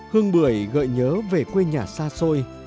hương bưởi gợi nhớ về quê nhà xa xôi